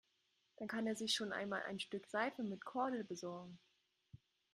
Dann kann er sich schon einmal ein Stück Seife mit Kordel besorgen.